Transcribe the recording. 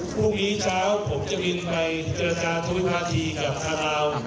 พรุ่งนี้เช้าผมจะบินไปเจอกันทุกวิวาทีกับข้างเรา